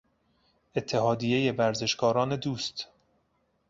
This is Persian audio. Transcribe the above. اتحادیهی ورزشکاران دوست